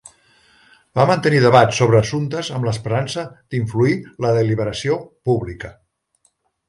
Va mantenir debats sobre assumptes amb l'esperança d'influir la deliberació pública.